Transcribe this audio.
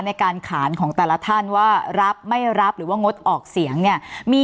ในการขานของแต่ละท่านว่ารับไม่รับหรือว่างดออกเสียงเนี่ยมี